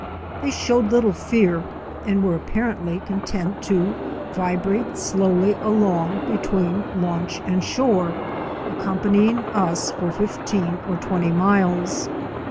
They showed little fear and were apparently content to vibrate slowly along between launch and shore, accompanying us for fifteen or twenty miles.